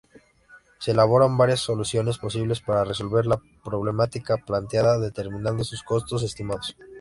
Se elaboran varias soluciones posibles para resolver la problemática planteada, determinando sus costos estimados.